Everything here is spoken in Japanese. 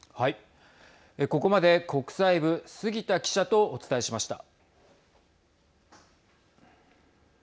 ここまで国際部・杉田記者とお伝えしました。